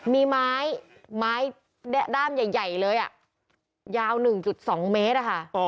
มีไม้ด้ามใหญ่เลยยาว๑๒เมตรอะค่ะ